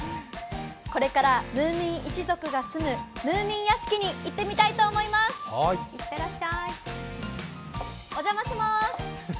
これからムーミン一族が住むムーミン屋敷に行ってみたいと思います。